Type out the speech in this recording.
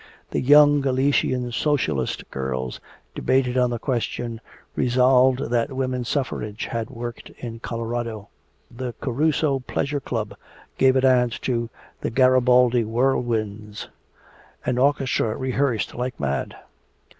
"The Young Galician Socialist Girls" debated on the question: "Resolved that woman suffrage has worked in Colorado." "The Caruso Pleasure Club" gave a dance to "The Garibaldi Whirlwinds." An orchestra rehearsed like mad.